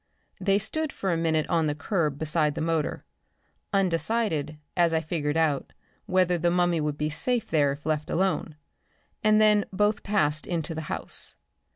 They stood for a minute on the curb beside the machine undecided, as I figured out, whether the mummy would be safe there if left alone and then both passed into the house.